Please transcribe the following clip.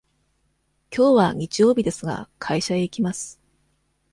きょうは日曜日ですが、会社へ行きます。